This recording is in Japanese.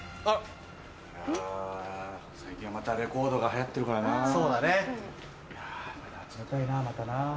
あ最近はまたレコードが流行ってるからな。